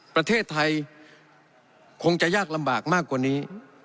ประเทศไทยคงจะยากลำบากมากกว่านี้